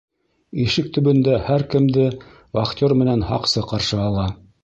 Ишек төбөндә һәр кемде вахтер менән һаҡсы ҡаршы ала.